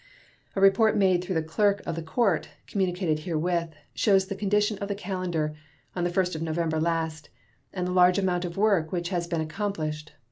A report made through the clerk of the court (communicated herewith) shows the condition of the calendar on the 1st of November last and the large amount of work which has been accomplished.